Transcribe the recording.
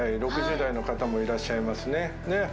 ５０代、６０代の方もいらっしゃいますね。